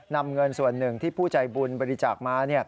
นำเงินส่วนหนึ่งที่ผู้ใจบุญบริจาคมา